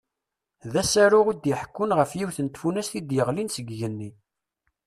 D asaru i d-iḥekkun ɣef yiwet n tfunast i d-yeɣlin seg igenni.